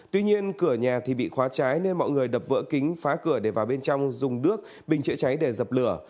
tuy nhiên cửa nhà bị khóa trái nên mọi người đập vỡ kính phá cửa để vào bên trong dùng đước bình chữa cháy để dập lửa